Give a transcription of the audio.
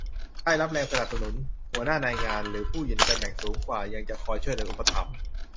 ได้รับแรงสนับสนุน หัวหน้านายงานหรือผู้อยู่ในตำแหน่งสูงกว่ายังจะคอยช่วยเหลืออุปถัมภ์